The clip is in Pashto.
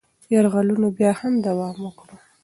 یرغلونه بیا هم دوام وکړل.